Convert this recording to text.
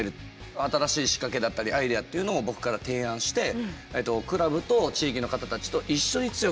新しい仕掛けだったりアイデアっていうのを僕から提案してクラブと地域の方たちと一緒に強くなろう町おこしをしようっていう。